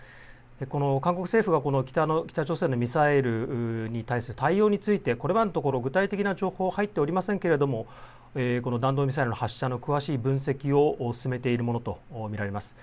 この韓国政府は北朝鮮のミサイルに対する対応についてこれまでのところ具体的な情報、入っておりませんけれどもこの弾道ミサイル発射の詳しい分析を進めているものと見られます。